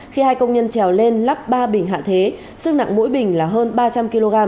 khi hai công nhân trèo lên lắp ba bình hạ thế sức nặng mỗi bình là hơn ba trăm linh kg